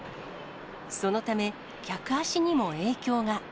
そのため、客足にも影響が。